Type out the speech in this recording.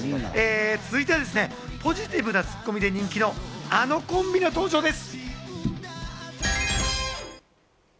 続いてはですね、ポジティブなツッコミで人気のあのコンビの登場です。